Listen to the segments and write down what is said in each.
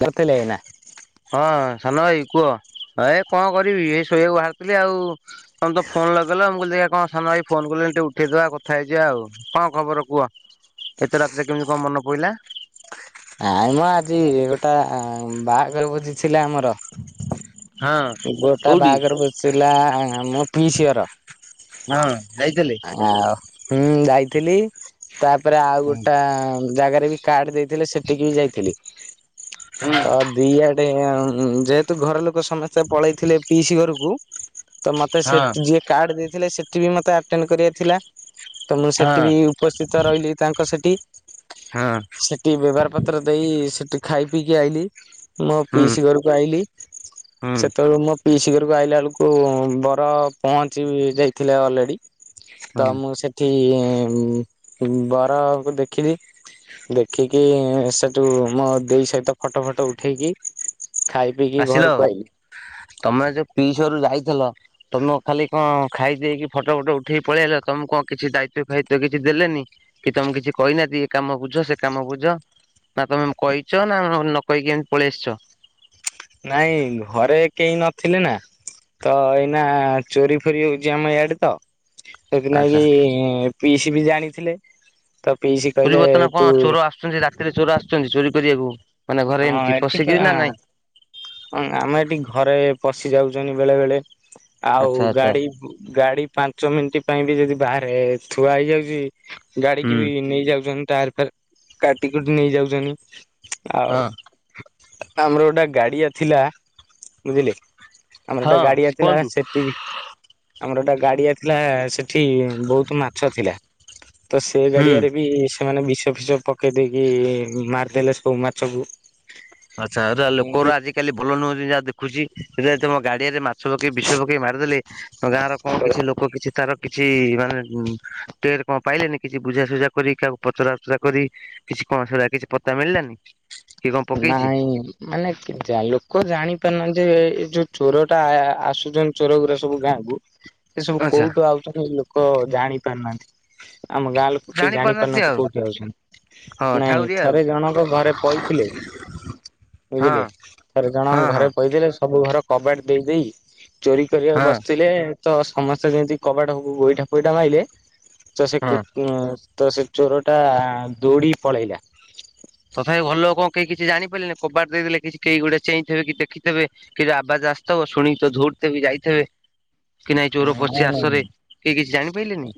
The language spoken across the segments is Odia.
କରଥିଲେ ଏଇନା? ହଁ ସାନ ଭାଇ କୁହ ଏ କଣ କରିବି ଏଇ ଶୋଇବାକୁ ବାହାରୁଥିଲି ଆଉ ତମେ ତ ଫୋନ ଲଗେଇଲ ମୁଁ କହିଲି ଦେଖିଆ କଣ ସାନ ଭାଇ ଫୋନ କଲେଣିି ଟିକେ ଉଠେଇଦବା କଥା ହେଇଯିବା ଆଉ। କଣ ଖବର କୁହ ଏତେ ରାତିରେ କେମିତି କଣ ମନ ପଇଲା? ନାଇ ମ ଆଜି ଗୋଟା ବାହାଘର ଭୋଜି ଥିଲେ ଆମର। ହଁ ଗୋଟା କୋଉଠି? ବାହାଘର ଭୋଜି ଥିଲା ମୋ ପିଇସି ହର। ହଁ ଯାଇଥିଲେ? ଆଉ ହୁଁ ଯାଇଥିଲି ତାପରେ ଆଉ ହୁଁ ଗୋଟା ଜାଗାରେ ବି କାର୍ଡ୍ ଦେଇଥିଲେ ସେଠିକି ବି ଯାଇଥିଲି ହଁ ତ ଦିଆଡେ ଏଁଉଁ ଯେହେତୁ ଘର ଲୋକ ସମସ୍ତେ ପଳେଇଥିଲେ ପିଇସି ଘରକୁ ତ ମତେ ସେଠି ହଁ ଯିଏ କାର୍ଡ ଦେଇଥିଲେ ସେଠି ବି ମତେ ଆଟେଣ୍ଡ କରିବାର ଥିଲା। ତ ମୁଁ ସେଠି ବି ଉପସ୍ଥିତ ରହିଲି ତାଙ୍କ ସେଠି। ହଁ। ସେଠି ବ୍ୟଭାର ପତ୍ର ଦେଇ ସେଠି ଖାଇ ପିଇକି ଆଇଲିି ମୋ ହୁଁ ପିଇସ ଘରୁ ଆଇଲିି ହୁଁ ସେତେବେଳେ ମୋ ପିଇସି ଘରକୁ ଆଇଲା ବେଳକୁ ବର ପହଞ୍ଚି ଯାଇଥିଲେ ଅଲରେଡି ତ ହୁଁ ମୁଁ ସେ ଠି ଉଁ ବରକୁ ଦେଖିଲି ଦେଖିକି ସ୍ ସେଠୁ ମୋ ଦେଇ ସହିତ ଫଟୋ ଫଟୋ ଉଠେଇକି ଖାଇ ପିଇକି ଆସିଲ ଘରକୁ ଆଉ ଆଇଲି। ତମେ ଯୋଉ ପିଇସି ଘରୁକୁ ଯାଇଥିଲ ତମ ଖାଲି କଣ ଖାଇଦେଇକି ଫଟୋ ଫଟୋ ଉଠେଇ ପଳେଆଇଲ ତମୁକୁ କଣ କିଛି ଦାୟିତ୍ୱ ଫାଇତ୍ୱ କିଛି ଦେଲେନି? କି ତମୁକୁ କିଛି କହିନାହାନ୍ତିି ଏ କାମ ବୁଝ ସେ କାମ ବୁଝ? ନା ତମେ କହିଚ ନା ନକହିକି ଏମତି ପଳେଆସଚ? ନାଇଁ ଘରେ କେହି ନଥିଲେ ନା ତ ଏଇନା ଚୋରି ଫୋରି ହୋଉଚି ଆମ ଇଆଡେ ତ ଆଚ୍ଛା। ସେଥିନାଗି ପିଇସି ବି ଜାଣିଥିଲେ। ତ ପିଇସି କହିଲେ ତୁ ଆସନ୍ତି ରାତିରେ ଚୋର ଆସୁଚନ୍ତି ଚୋରି କରିବାକୁ ମାନେ ଘରେ ଏମତି ଏଠି ତ ପଶିକିରି ନା ନାଇଁ? ହଁ ଆମ ଏଠି ଘରେ ପଶିଯାଉଚନ୍ତି ବେଳେ ବେଳେ। ଆଉ ଆଚ୍ଛା ଆଚ୍ଛା ଗାଡି ଗାଡି ପାଞ୍ଚ ମିନଟି ପାଇଁ ବି ଯଦି ବାହାରେ ଥୁଆ ହେଇଯାଉଚି ଗାଡିକି ହୁଁ ବି ନେଇଯାଉଚନ୍ତି ଟାୟାର ଫାୟାର କାଟି କୁଟି ନେଇଯାଉଚନ୍ତି ଆ ହଁ ଆମର ଗୋଟେ ଗାଡିଆ ଥିଲା ବୁଝିଲେ ଆମର ଗୋଟେ ହଁ ଗାଡିଆ ଥିଲା କୁହନ୍ତୁ ସେଠି ବି ଆମର ଗୋଟେ ଗାଡିଆ ଥିଲା ସେ ଠି ବୋହୁତ ମାଛ ଥିଲା ତ ସେ ହୁଁ। ଗାଡିଆରେ ବି ସ୍ ସେମାନେ ବିଷ ଫିଷ ପକେଇ ଦେଇକି ମାରିଦେଲେ ସବୁ ମାଛକୁ ଆଚ୍ଛା ହେରା ଏମତି ଲୋକଉରା ଆଜିିକାଲି ଭଲ ନୁହନ୍ତି ଯାହା ଦେଖୁଚି ସେରା ତମ ଗାଡିଆରେ ମା ଷ ପକେଇ ବିଷ ପକେଇ ମାରିଦେଲେ ତମ ଗାଁର କଣ କିଛି ଲୋ କଣ କିଛି ତାର କିଛି ମାନେ ଟେଟ କଣ ପାଇଲେନି କିଛି ବୁଝାସୁଝା କରି କାହାକୁ ପଚରା ଉଚରା କରି କିଛି କଣ ସିଗୁରା କିଛି ପତା ମିଳିଲାନି କି କଣ ପକେଇଛି ନାଇଁ। ମାନେ ଲୋକ ଯାଇ ଜାଣିପାରୁନାହାନ୍ତି ଯେ ଏଇ ଯୋଉ ଚୋରଟା ଆସୁଛନ୍ତି ଚୋରଗୁରା ସବୁ ଗାଁକୁୁ ସେ ସବୁ ଆଚ୍ଛା କୋଉଠୁ ଆଉଛନ୍ତି ଲୋକ ଜାଣି ପାରୁନାହାନ୍ତି। ଆମ ଗାଁ ଲୋକ ଜାଣି କେହିଁ ପାରୁନାହାନ୍ତି ଆଉ ଜାଣିପାରୁନାହାନ୍ତି କୋଉଠି ଅଛନ୍ତି। ହଁ ନାଇଁ ଠାଉରିଆ ଆଉ ଥରେ ଜଣକ ଘରେ ପଇଥିଲେ। ବୁଝିଲେ ହଁ। ଥରେ ଜଣଙ୍କ ହଁ ଘରେ ହଁ କହିଦଲେ ସବୁ ଘର କବାଟ ଦେଇ ଦେଇ ଚୋରି କରିବାକୁ ହଁ ବସିଥିଲେ ତ ସମସ୍ତେ ଯେମିତି କବାଟ ଗୋଇଠା ଫୋଇଟା ମାଇଲେ ତ ସେ ହଁ ତ ସେ ଚୋର ଟା ଦୋଡି ପଳେଇଲା। ତଥାପି ଘରଲୋକ କଣ କେହି କିଛି ଜଣିପାରିଲେନି କବାଟ ଦେଇଦଲେ କି କେହି ଗୋଟେ ଚେଇଥିବେ କି ଦେଖିଥିବେ। କି ଆବାଜ ଆସିଥିବ ଶୁଣି ତ ଧୌଡିଥିବେ ଯାଇଥିବେ। କି ନାଇଁ ଚୋର ପଶିଚି ଆସରେ କହି କିଛି ଜାଣିପାରିଲେନି।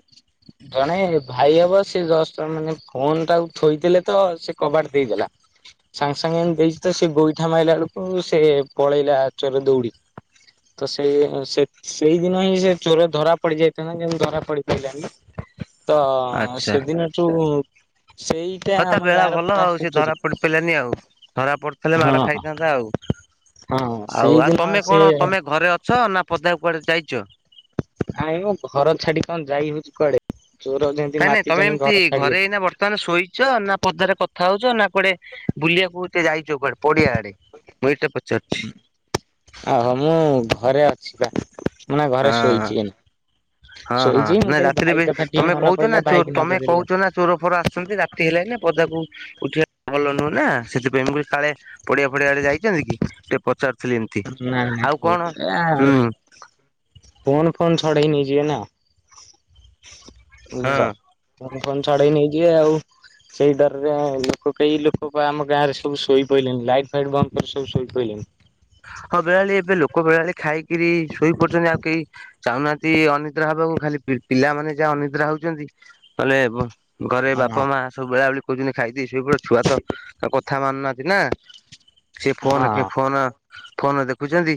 ଜଣେ ଭାଇ ହବ ସେ ଜଷ୍ଟ ମାନେ ଫୋନ ଟାକୁ ଠୋଇଥିଲେ ତ ସେ କବାଟ ଦେଇଦେଲା। ସାଙ୍ଗେସାଙ୍ଗେ ଦେଇଛି ତ ସେ ଗୋଇଠା ମାରିଲା ବେଳକୁ ସେ ପଳେଇଲା ଚୋର ଦୌଡିକି। ତ ସେଇ ସେ ସେଇଦିନ ହିଁ ସେ ଚୋର ଧରାପଡି ଯାଇଥାଆନ୍ତା ଯେମିତି ଧରାପଡି ପାଇଲାନି। ତ ଆଚ୍ଛା ସେଦିନଠୁ ସେଇଟା ଆମ ଗାଁର ଫାଷ୍ଟ ଚୋରି। ପଇଲାନି ଆଉ ଧରା ପଡ ହେଲେ ହଁ ମାଡ ଖାଇଥାନ୍ତା ଆଉ ହଁ ଆଉ ଆଉ ସେଇଦିନ ତମେ ସେ କଣ ତମେ ଘରେ ଅଛ ନା ପଦାକୁ କୁଆଡ଼େ ଯାଇଛ। ନାଇ ମୋ ଘର ଛାଡି କଣ ଯାଇ ହଉଛି କୁଆଡେ ଚୋର ଯେମିତି ନାଇଁ ନାଇଁ ତମେ ମାତିଚନ୍ତି ଏମିତି ଘରେ ଛାଡିବେ। ଏଇନା ବର୍ତ୍ତମାନ ଶୋଇଛ ନା ପଦାରେ କଥା ହଉଛ ନା କୁଆଡେ ବୁଲିବାକୁ ଯାଇଛ କୁଆଡେ ପଡିଆ ଆଡେ। ମୁ ଏଇଟା ପଚାରୁଛି। ଅହୋ ମୁଁ ଘରେ ଅଛି ପା ମୁଁ ଏଇନା ଘରେ ହଁ ଶୋଇଛି ଏ। ହଁ ହଁ ନା ରାତିରେବି ଟିକେ ତମେ ମନେ କହୁଛ ନା ପଇଲା ଭାଇକି ତମେ ନଗେଇଦେଲି ଆଉ। କହୁଛ ନା ଚୋର ଫୋର ଆସଛନ୍ତି ରାତି ହେଲେଣି ନା ପଦାକୁ ଉଠିବା ଭଲ ନୁହେଁ ନା ସେଥିପାଇଁ ମୁ କହିଲି କାଳେ ପଡ଼ିଆ ଫଡ଼ିଆ ଆଡ଼େ ଯାଇଛନ୍ତି କି ଟିକେ ପଚାରୁଥିଲେି ଏମତି ନାଇଁ ଆଉ ନାଇଁ ଏ କଣ ହୁଁ। ଫୋନ ଫୋନ୍ ଛଡେଇ ନେଇଯିବେ ନା ହଁ ବୁଝିଛ। ଫୋନ୍ ଫୋନ୍ ଛଡେଇ ନେଇଯିବେ ଆଉ। ସେଇ ଡରରେ ଲୋକ କେହି ଲୋକ ଆମ ଗାଁରେ ସବୁ ଶୋଇପଇଲେନି ଲାଇଟ୍ ଫାଇଟ୍ ବନ୍ଦ କରି ସବୁ ଶୋଇ ପଇଲେନି। ହଁ ବେଲାବେଲି ଏବେ ଲୋକ ବେଳାବେଲି ଖାଇକିରି ଶୋଇ ପଡୁଛନ୍ତି ଆଉ କେହି ଚାହୁଁନାହାନ୍ତି ଅନିଦ୍ରା ହବାକୁ ଖାଲି ପିଲାମାନେ ଯାହା ଅନିଦ୍ରା ହଉଛନ୍ତି ନହଲେ ଘରେ ହଁ ବାପା ମା ସବୁ ବେଳାବେଲି କହୁଛନ୍ତି ଖାଇଦେଇ ଶୋଇପଡ଼ ଛୁଆ ତ କଥା ମାନୁନାହାନ୍ତି ନା। ସିଏ ଫୋନ କେ ହଁ ଫୋନ ଫୋନ ଦେଖୁଛନ୍ତି।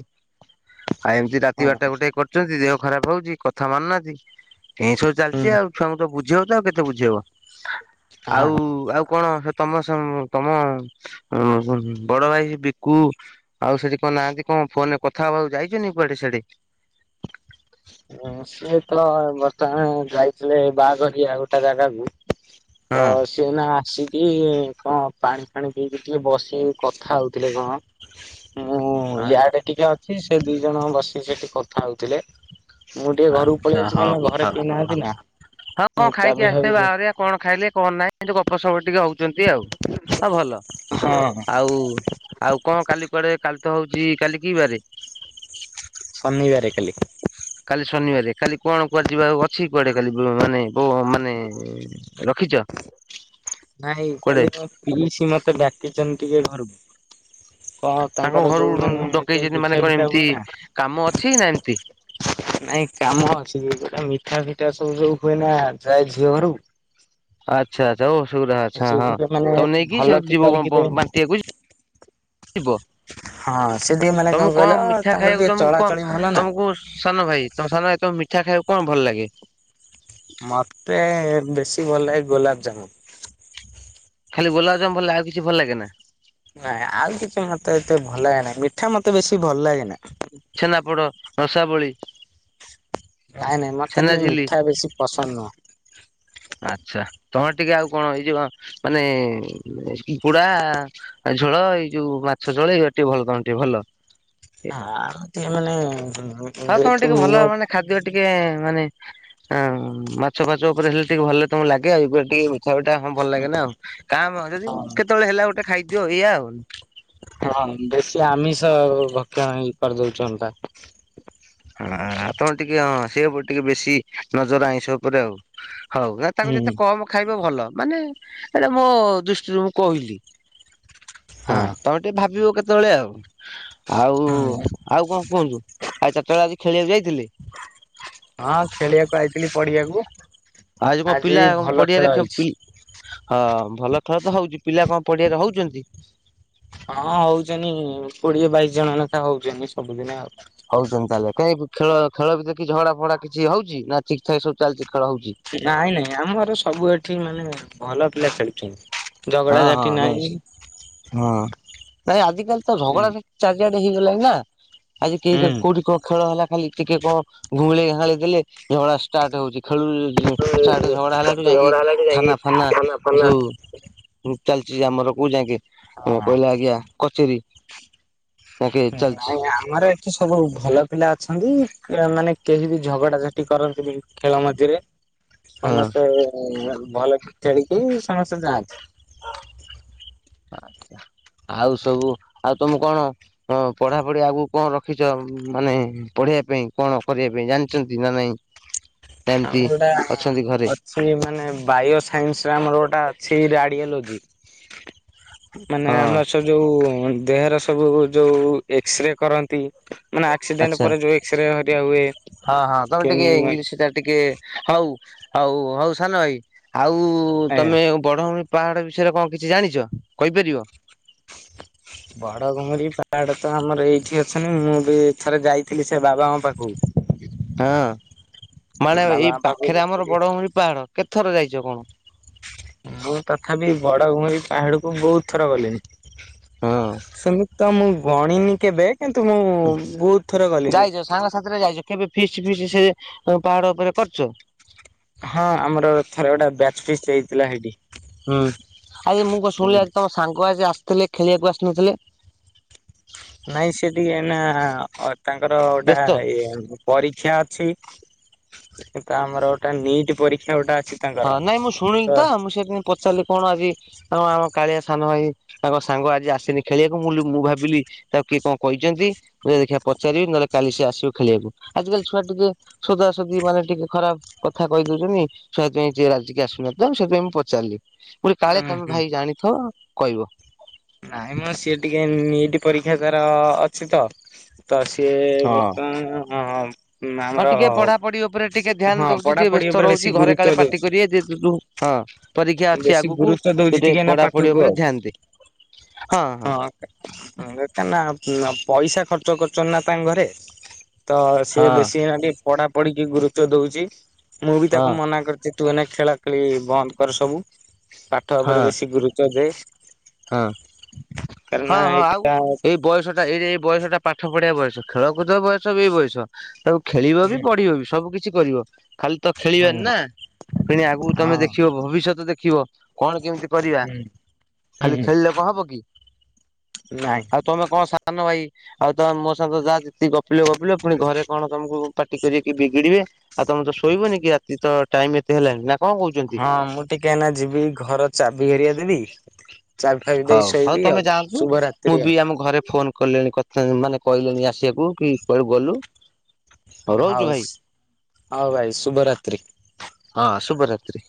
ଆଉ ଏମିତି ରାତି ବାରଟା ହୁଁ ଗୋଟେ କରୁଛନ୍ତି ଦେହ ଖରାପ ହଉଛି କଥା ମାନୁନାହାନ୍ତି। ଏମିତି ସବୁ ଚାଲିଛି ଆଉ ଛୁଆଙ୍କୁ ତ ବୁଝେଇବ ତ ଆଉ କେତେ ବୁଝେଇବ ଆଉ ହଁ। ଆଉ କଣ? ତମ ତମ ବଡ ଭାଇ ବିକୁ ଆଉ ସେଠି କଣ ନାହାନ୍ତି କଣ ଫୋନରେ କଥାବାକୁ ଯାଇଛନ୍ତି କୁଆଡେ ସିଆଡେ। ହଁ ପା। ସିଏ ତ ବର୍ତ୍ତମାନ ଯାଇଥିଲେ ବାହାଘରିଆ ଗୋଟେ ଜାଗାକୁ ତ ହଁ। ସିଏ ଏଇନା ଆସିକି କଣ ପାଣି ଫାଣି ପିଇକି ଟିକେ ବସି କଥା ହଉଥିଲେ କଣ? [inaudible] ମୁଁ ୟାଡେ ଟିକେ ଅଛି ସେ ଦି ଜଣ ବସିକି ସେଠି କଥା ହଉଥିଲେ। ମୁଁ ଟିକେ ଘରକୁ ପଳେଇ ଆଚ୍ଛା ଆଇଛି ହଁ କାହିଁକି ନା ହୋଉ ଘରେ ଥାଉ କେହି ହଁ ନାହାନ୍ତି ନା ହଁ କଣ ମୁଁ ଖାଇକି ଚାବି ଆସିଥିବେ ଫାବି ଦେଇ ବାଆଘରିଆ। କଣ ଖାଇଲେ କଣ ନାହିଁ ଏମିତି ଗପ ସପ ଟିକେ ହଉଛନ୍ତି ଆଉ। ହଁ ଭଲ ହଁ ଆଉ ଆଉ କଣ କାଲି କୁଆଡେ କାଲି ତ ହଉଛି କାଲି କି ବାରେ? ଶନିବାରେ କାଲି। କାଲି ଶନିବାର କାଲି କଣ କୁଆଡଯିବା ଅଛି କୁଆଡେ କାଲି ମାନେ ବ ମାନେ ର ରଖିଛ? ନାଇଁ କୁଆଡେ କାଲି ମୋ ପିଇସି ମତେ ଡାକିଛନ୍ତି ଟିକେ ଘରକୁ କଣ ତାଙ୍କ ତାଙ୍କର ଘରୁ ଯୋଉ ମାନେ ଯୋଉ ଡକେଇଛନ୍ତି ମାନେ ମିଠା କଣ ପିଠା ଏମିତି ହୁଏ ନା କାମ ଅଛି ନା ଏମିତି ନାଇଁ କାମ ଅଛି ଜଓଟା ମିଠା ଫିଠା ସବୁ ହୁଏ ନା ଯାଏ ଝିଅ ଘରକୁ ଆଚ୍ଛା ଆଚ୍ଛା ହଉ ସେଗୋର ହଁ ସିଏ ହଁ ଟିକେ ମାନେ ତମ ନେଇକି ଭଲ ସୁ କି ଯିବ କରିକି ଦେବେ ନା ବାଟିିବାକୁ ଯିବ ଯିବ ହଁ ସେ ଟିକେ ମାନେ ତମକୁ କହିଲ କଣ ମିଠା ତାଙ୍କର ଖାଇବାକୁ ଟିକେ ତମକୁ ଚଳାଚଳି କଣ ଭଲ ନା ତମକୁ ସାନ ଭାଇ ତମ ସାନ ଭାଇ ତମେ ମିଠା ଖାଇବାକୁ କଣ ଭଲ ଲାଗେ? ମତେ ବେଶୀ ଭଲ ଲାଗେ ଗୋଲାପଜାମୁନ। ଖାଲି ଗୋଲମଜାମୁ ଭଲ ଆଉ କିଛି ଭଲ ଲାଗେ ନା? ନାଇଁ ଆଉ କିଛି ମତେ ଏତେ ଭଲ ଲାଗେ ନାହିଁ। ମିଠା ମତେ ବେଶୀ ଭଲ ଲାଗେନା। ଛେନାପୋଡ, ରଶାବଳି। ନାଇଁ ନାଇଁ ମତେ ଟିକେ ମିଠା ବେଶୀ ପସନ୍ଦ ନୁହଁ। ଆଛା ତମେ ଟିକେ ଆଉ କଣ ଏଇ ଯୋଉ ମାନେ କୁକୁଡ଼ା ଝୋଳ ଏଇ ଯୋଉ ମାଛ ଝୋଳ ଏଇ ଟିକେ ଭଲ ତମ ଟିକେ ଭଲ। ହ ଏମିତି ମାନେ ହଁ ତମେ ଯେହେତୁ ଟିକେ ଭଲ ମୋ ମାନେ ଖାଦ୍ୟ ଟିକେ ମାନେ ଅ ମାଛ ଫାଛ ଉପରେ ହେଲେ ଟିକେ ଭଲ ତମ ଲାଗେ ଇବଳିଆ ଟିକେ ସେଇଟା ହଁ ଭଲ ଲାଗେ ନା ଆଉ କା ଭା ଯଦି ହଁ କେତେବେଳେ ହେଲା ଗୋଟେ ଖାଇଦିଅ ଏଇଆ ଆଉ। ହଁ ବେଶୀ ଆମିଷ ଭକ୍ଷଣ ଇ କରିଦଉଛନ୍ତା। ହ ଆଉ ତମର ଟିକେ ହଁ ସେ ଉପରେ ଟିକେ ବେଶୀ ନଜର ଆଇଁଷ ଉପରେ ଆଉ ହଉ ନା ତାକୁ ଯେତେ ହୁଁ। କମ ଖାଇବ ଭଲ ମାନେ ଏଟା ମୋ ଦୃଷ୍ଟିରୁ ମୁଁ କହିଲି। ହଁ ତମେ ଟିକେ ଭାବିବ କେତେବେଳେ ଆଉ ଆଉ ଆଉ କଣ କୁହନ୍ତୁ? ମୁଁ କହିଲି ଆଜି ଖେଳିବାକୁ ଯାଇଥିଲେ? ହଁ ଖେଳିବାକୁ ଆଇଥିଲି ପଢିବାକୁ। ଆଜି କଣ ପିଲା ପଡିଆରେ ପି ହଁ ଭଲ ଖେଳ ତ ହଉଛି ପିଲା କଣ ପଡିଆରେ ହଉଛନ୍ତି? ହଁ ହଉଛନ୍ତି କୋଡିଏ ବାଇଶି ଜଣ ଲେଖା ହଉଛନ୍ତି ସବୁଦିନେ ଆଉ। ହଉଛନ୍ତି ତାହେଲେ କାଁଇ ଖେଳ ଖେଳ ଭିତରେ କିଛି ହଗଡା ଫଗଡା କିଛି ହଉଛି ନା ଠିକ ଠାକ୍ ସବୁ ଚାଲିଛି ଖେଳ ହଉଛି? ନାଇଁ ନାଇଁ ଆମର ସବୁ ଏଠି ମାନେ ଭଲ ପିଲା ଖେଳୁଛନ୍ତି। ଝଗଡ଼ା ହଁ ହଁ ଝାଟି ନାଇଁ ନାହିଁ। ହଁ ନାଇଁ ଆଜିକାଲି ତ ହୁଁ। ଝଗଡ଼ା ଚାରିଆଡେ ହେଇଗଲାଣି ନା। ଆଜି କେହି ହୁଁ। କୋଉଠି କନ ଖେଳ ହେଲା? ଖାଲି ଟିକେ କଣ ଘୁଁଳି ଘାଁଳି ଦେଲେ ଝଗଡ଼ା ଷ୍ଟାର୍ଟ ହଉଛି ଖେଳୁରୁ ଷ୍ଟାର୍ଟ ଝଗଡା ହେଲାଟୁ ଯାଇକି ଝଗଡା ହେଲାଠୁ ଯାଇକି ଥାନା ଫାନା ଥାନା ଫାନା ସବୁ ଚାଲିଛି ଆମର କୋଉ ହଁ ଯାକେକହିଲେ ଆଜ୍ଞା କଚେରୀ ଯାକେ ଚାଲିଛି ନାଇଁ ଆ ଆମର ଏଠି ସବୁ ଭଲ ପିଲା ଅଛନ୍ତି ମାନେ କେହି ବି ଝଗଡା ଝାଟି କରନ୍ତିନି। ଖେଳ ମଝିରେ ହଁ ସମସ୍ତେ ଭଲ ଖେଳିକି ସମସ୍ତେ ଯାଆନ୍ତି। ଆଛା ଆଉ ସବୁ ଆଉ ତମେ କଣ? ହଁ, ପଢାପଢି ଆଗକୁ କଣ ରଖିଛ ମାନେ ପଢେଇବା ପାଇଁ କଣ କରିବା ପାଇଁ ଜାଣିଛନ୍ତି ନା ନାଇଁ? [inaudible] [inaudible] ଅଛନ୍ତି ଘରେ ଆଟ [inaudible] ସେ ମାନେ ବାୟୋ ସାଇନ୍ସ ରେ ଆମର ଗୋଟେ ଅଛି ଆଡିଓଲୋଜି ମାନେ ହଁ ଆମର ସ ଯୋଉ ଦେହର ସବୁ ଯୋଉ ଏକ୍ସରେ କରନ୍ତି ମାନେ ଆକ୍ସିଡେଣ୍ଟ ଆଚ୍ଛା ପରେ ଯୋଉ ଏକ୍ସରେ ଆ ହୁଏ। ସେଟା ଟିକେ ହଉ ହଉ ହଉ ସାନ ଭାଇ ଆଉ ତମେ ବଡ଼ଭଣି ପାହାଡ଼ ବିଷୟରେ କଣ କିଛି ଜାଣିଛ, କହିପାରିବ? ବଡ ଘମିରି ପାହାଡ ତ ଆମର ଏଇଠି ଅଛି। ମୁଁ, ବି ଏଥରେ ଯାଇଥିଲି ସେ ବାବା ମା ହଁ, ମାନେ ଏଇ ବାବାଙ୍କ ପାଖକୁ ପାଖରେ ଆମର ଯାଇଥିଲି ବଡ ଭରି ପାହାଡ କେତ ଥର ଯାଇଛ କଣ? ମୁଁ ତଥାପି ବଡ ଘୁମର ପାହାଡକୁ ବହୁତ ଥର ଗଲିଣି ହଁ ସେମିତି ତ ମୁଁ ଗଣିନି କେବେ କିନ୍ତୁ, ମୁଁ ବହୁତ ଥର ଗଲିଣି। ସାଙ୍ଗ ସାଥିରେ ଯାଇଛ। କେବେ ଫିସ୍ ଫିସ୍ ସେ ପାହାଡ ଉପରେ କରିଚ? ହଁ ଆମର ଥରେ ଗୋଟେ ବ୍ୟାଚ ଫିଷ୍ଟ୍ ହେଇଥିଲା ସେଇଠି। ହୁଁ ଆଜ୍ଞା ମୁଁ କ ଶୁଣିଲି ଆଜି ତମ ସାଙ୍ଗ ଆଜି ଆସିଥିଲେ ଖେଳିବାକୁ ଆସିନଥିଲେ। ନାଇଁ ସେ ଟିକେ ଇନା ତାଙ୍କର ଗୋଟା ବ୍ୟସ୍ତ? ଇଏ ପରୀକ୍ଷା ଅଛି ଏଟା ଆମର ଗୋଟେ ନିଟ୍ ପରୀକ୍ଷା ଗୋଟେ ଅଛି। ତାଙ୍କର ହଁ, ନାଇଁ ମୁଁ ଶୁଣିଲି ତ ମୁଁ ସେଇଥି ପାଇଁ ପଚାରିଲି କଣ ଆଜି ଆ ଆମ କାଳିଆ ସାନ ଭାଇ। ତାଙ୍କ ସାଙ୍ଗ ଆଜି ଆସନି ଖେଳିବାକୁ ମୁଁ କହିଲି ମୁଁ ଭାବିଲି ତାକୁ କିଏ କଣ କହିଛନ୍ତି। ଯେ ଦେଖିଆ ପଚାରିବି ନହେଲେ କାଲି ସି ଆସିବ ଖେଳିବାକୁ ଆଜିକାଲି ଛୁଆ ଟିକେ ସୋଦଶୋଦି ମାନେ ଟିକେ ଖରାପ କଥା କହି ଦଉଚନି। ସେଥିପାଇଁ ଯିଏ ରାଜିକି ଆସୁନଥିଲା ସେଥିପାଇଁ ମୁଁ ପଚାରିଲି ମୁଁ କହିଲି କାଳେ ହୁଁ ତମେ ହୁଁ ଭାଇ ଜାଣିଥ କହିବ। ନାଇଁ ମ ସିଏ ଟିକେ ନିଟ୍ ପରୀକ୍ଷା ତାର ଅଛି ତ। ତ ସିଏ ହଁ ବର୍ତ୍ତମାନ ହଁ ଆମର ଟିକେ ପଢ଼ାପଢି ଉପରେ ଟିକେ ଧ୍ୟାନ ହଁ ଦଉଛି ଟିକେ ପଢାପଢି ବ୍ୟସ୍ତ ଉପରେ ବେଶୀ ରହୁଛି ଘରେ କାଳେ ଗୁରୁତ୍ୱ ପାଟି ଦଉଛି କରିବେ ଯେ ଯୋ ହଁ, ପରୀକ୍ଷା ଅଛି ବେଶୀ ଆଗକୁ ଗୁରୁତ୍ୱ ଦଉଛି ଗୋଟେ ଟିକେ ନା ପଢାପଢି ପାଠକୁ ଆଉ। ଉପରେ ଧ୍ୟାନ ଦେ ହଁ ହଁ। [inaudible] ପଇସା ଖର୍ଚ୍ଚ କରୁ ନା ତାଙ୍କ ଘରେ। ତ ସିଏ ହଁ ବେଶୀ ହେନା ଟିକେ ପଢା ପଢିିକି ଗୁରୁତ୍ଵ ଦଉଛି। ମୁଁ, ବି ହଁ ତାକୁ ମନା କରି ତୁ ଏନା ଖେଳା ଖେଳି ବନ୍ଦ କର ସବୁ ପାଠ ହଁ ଉପରେ ବେଶୀ ଗୁରୁତ୍ଵ ଦେ। ହଁ କାରଣ ହଁ ହଁ ଆଉ ଏଇଟା ଏଇ ବୟସ ଟା ଏଇ ଏଇ ବୟସ ଟା ପାଠ ପଢିବା ବୟସ। ଖେଳକୁଦ ବୟସ ବି ଏଇ ବୟସ ତାକୁ ଖେଳିବ ବି ହୁଁ ପଢିବ ବି ସବୁ କିିଛି କରିବ ଖାଲି ତ ଖେଳିବାନି ହୁଁ ନା ପୁଣି ଆଗକୁ ହଁ ତମେ ଦେଖିବ ଭବିଷ୍ୟତ ଦେଖିବ କଣ କେମିତି କରିବା। ହୁଁ ଖାଲି ହୁଁ ଖେଳିଲେ କଣ ହବ କି। ନାଇଁ। ଆଉ ତମେ କଣ ସାନ ଭାଇ ଆଉ ତ ମୋ ସାଙ୍ଗ ଯାହା ଯେତିି ଗପିଲ ଗପିଲ ପୁଣି ଘରେ କଣ ତମକୁ ପାଟି କରି ବିଗିଡିବେ। ଆଉ ତମେ ତ ଶୋଇବନି କି ରାତି ତ ଟାଇମ ଏତେ ହେଲାଣି ନା କଣ କହୁଛନ୍ତି ହଁ, ମୁଁ ଟିକେ ଏନା ଯିବି ଘର ଚାବି ହେରିଆ ଦେବି। ଚାବି ଫାବି ଦେଇ ହଉ ହଉ ଶୋଇବି ଆଉ ତମେ ଯାଆନ୍ତୁ। ମୁଁ, ଶୁଭରାତ୍ରି ଆଉ ବି ଆମ ଘରେ ଫୋନ କଲିଣି କଥା ମାନେ କହିଲେନି ଆସିବାକୁ କି କହିଲୁ ଗଲୁ। ରହୁଛୁ ହଉ ଭାଇ ସୁଟ ହଉ ଭାଇ ଶୁଭ ରାତ୍ରି। ହଁ, ଶୁଭ ରାତ୍ରି।